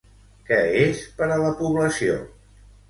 Què és per a la població?